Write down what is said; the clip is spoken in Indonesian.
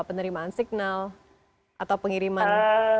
penerimaan signal atau pengiriman